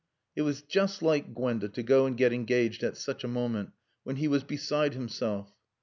It was just like Gwenda to go and get engaged at such a moment, when he was beside himself.